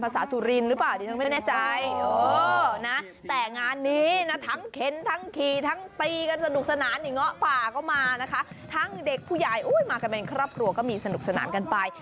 สนุกสนานอย่างเงาะป่าก็มานะคะทั้งเด็กผู้ใหญ่มากันเป็นครอบครัวก็มีสนุกสนานกันไป